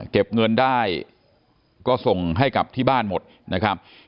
เก็บเงินได้ก็ส่งให้กับที่บ้านหมดนะครับ